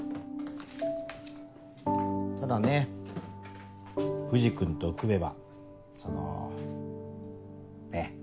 ただね藤君と組めばそのねっ。